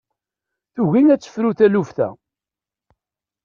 Tugi ad tefru taluft-a.